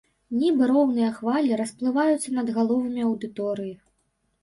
Нібы роўныя хвалі расплываюцца над галовамі аўдыторыі.